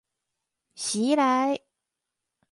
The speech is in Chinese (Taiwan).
襲來！